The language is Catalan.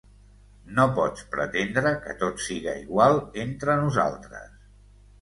No pots pretendre que tot siga igual entre nosaltres.